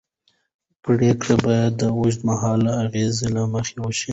پرېکړې باید د اوږدمهاله اغېزو له مخې وشي